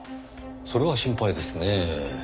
それは心配ですねぇ。